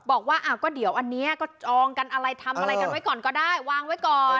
บอกว่าก็เดี๋ยวอันนี้ก็จองกันอะไรทำอะไรกันไว้ก่อนก็ได้วางไว้ก่อน